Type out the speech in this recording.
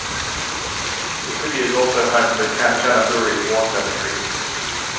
The city is also home to the Kanchanaburi War Cemetery.